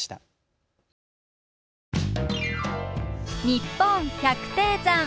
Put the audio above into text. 「にっぽん百低山」。